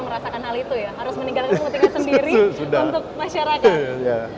harus meninggalkan kepentingan sendiri untuk masyarakat